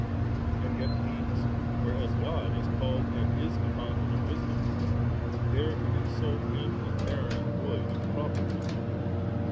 * And yet these, whereas God is called and is a Foun tain of wisdom, dare to insult Him as barren and void of His proper Wisdom.